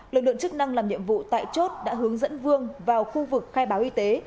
lực lượng chức năng làm nhiệm vụ tại chốt đã hướng dẫn vương vào khu vực khai báo y tế